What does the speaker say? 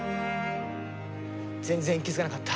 全然気づかなかった。